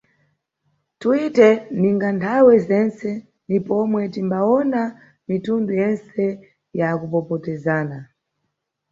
Twitter ninga nthawe zentse ni pomwe timbawona mitundu yentse ya kupopotezana.